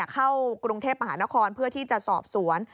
เข้ากรุงเทพมหานครเพื่อที่จะสอบสวน